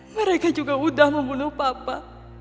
mereka juga udah membunuh papa